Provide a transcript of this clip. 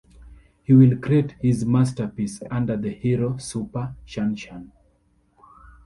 He will create his masterpiece under the hero Super shunshun.